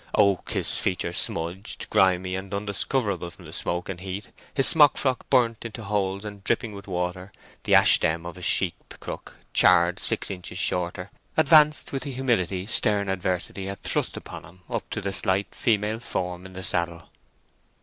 Oak, his features smudged, grimy, and undiscoverable from the smoke and heat, his smock frock burnt into holes and dripping with water, the ash stem of his sheep crook charred six inches shorter, advanced with the humility stern adversity had thrust upon him up to the slight female form in the saddle.